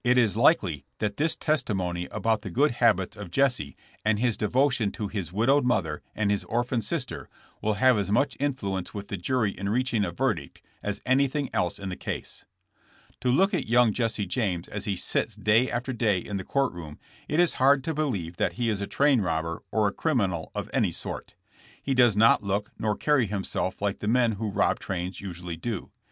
169 is likely that this testimony about the good habits of Jesse and his devotion to his widowed mother and his orphaned sister will have as much influence with the jury in reaching a verdict as anything else in the case. "To look at young Jesse James as he sits day after day in the court room it is hard to believe that he is a train robber or a criminal of any sort. He does not look nor carry himself like the men who rob trains usually do.